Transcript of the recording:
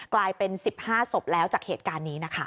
กลายเป็น๑๕ศพแล้วจากเหตุการณ์นี้นะคะ